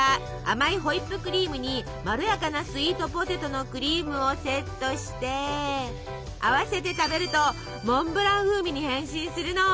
甘いホイップクリームにまろやかなスイートポテトのクリームをセットして合わせて食べるとモンブラン風味に変身するの！